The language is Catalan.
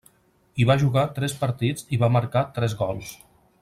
Hi va jugar tres partits i va marcar tres gols.